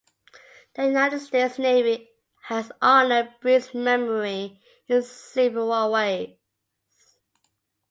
The United States Navy has honored Breese's memory in several ways.